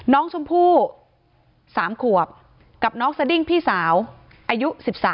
น้องชมพู่๓ขวบกับน้องสดิ้งพี่สาวอายุ๑๓